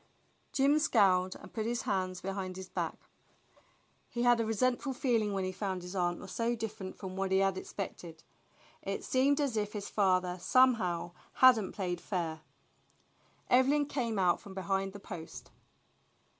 Jim scowled and put his hands behind his back. He had a resentful feeling when he found his aunt was so different from what he had expected. It seemed as if his father somehow had n't played fair. Evelyn came out from behind the post.